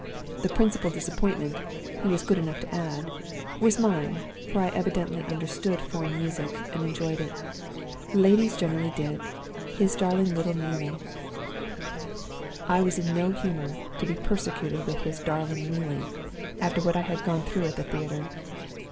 The principal disappointment, he was good enough to add, was mine, for I evidently understood foreign music, and enjoyed it. Ladies generally did. His darling little Neelie "I was in no humor to be persecuted with his 'Darling Neelie' after what I had gone through at the theater.